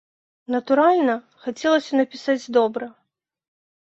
Натуральна, хацелася напісаць добра.